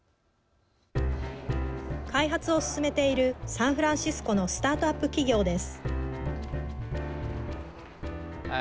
開発を進めているサンフランシスコのスタートアップ企業です。